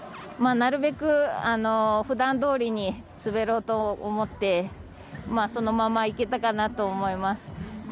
なるべく普段どおりに滑ろうと思ってそのまま行けたかなと思います。